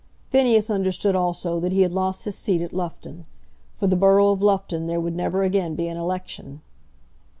Phineas understood, also, that he had lost his seat at Loughton. For the borough of Loughton there would never again be an election.